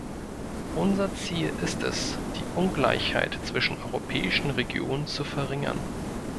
Unser Ziel ist es, die Ungleichheit zwischen europäischen Regionen zu verringern.